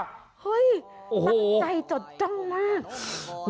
ทักใจจดจังมาก